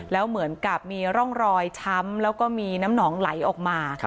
แล้วเหมือนกับมีร่องรอยช้ำแล้วก็มีน้ำหนองไหลออกมา